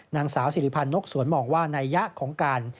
นางสาวสิริพันธ์นกสวนมองว่านัยยะของการ